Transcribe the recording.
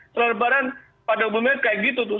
setelah lebaran pada umumnya kayak gitu tuh